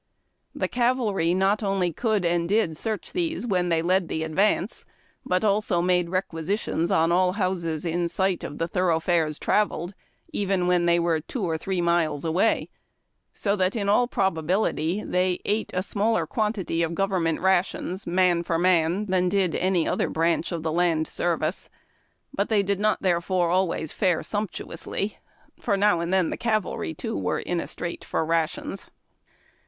The cavalry not only could and did search these when they led the advance, but also made requisitions on all houses in sight of the thoroughfares travelled, even when they were two or three miles away, so that, in all probability, they ate a smaller quantity of government rations, man for man, than did any other branch of the land service ; but they did not therefore always fare sumptuously, for now and then the cavalry too were in a strait for rations.